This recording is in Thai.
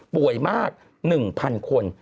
ป่วยมาก๑๐๐คน